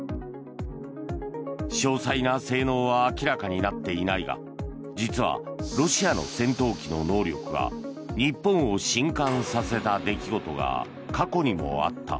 詳細な性能は明らかになっていないが実は、ロシアの戦闘機の能力が日本を震撼させた出来事が過去にもあった。